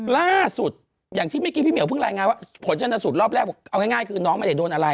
ล่าสุดอย่างที่เมื่อกี้พี่เหี่ยวเพิ่งรายงานว่าผลชนสูตรรอบแรกบอกเอาง่ายคือน้องไม่ได้โดนอะไร